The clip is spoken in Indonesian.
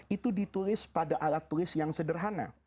itu ditulis pada alat tulis yang sederhana